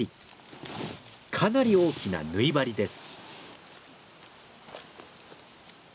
かなり大きな縫い針です。